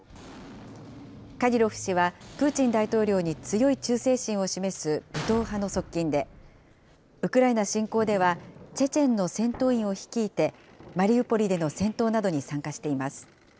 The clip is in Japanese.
カディロフ氏はプーチン大統領に強い忠誠心を示す武闘派の側近で、ウクライナ侵攻では、チェチェンの戦闘員を率いて、マリウポリでの戦闘などに参加しています。